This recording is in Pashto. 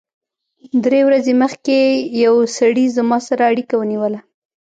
درې ورځې مخکې یو سړي زما سره اړیکه ونیوله